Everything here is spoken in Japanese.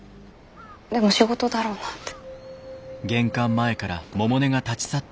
でも仕事だろうなって。